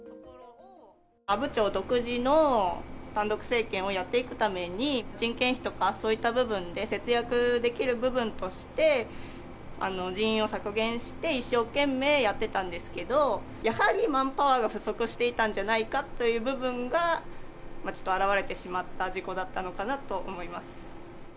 阿武町独自の単独政権をやっていくために、人件費とかそういった部分で、節約できる部分として、人員を削減して一生懸命やってたんですけど、やはりマンパワーが不足していたんじゃないかという部分が、表れてしまった事故だったのかなと思います。